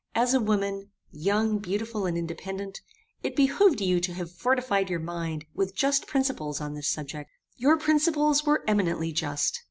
As a woman, young, beautiful, and independent, it behoved you to have fortified your mind with just principles on this subject. Your principles were eminently just.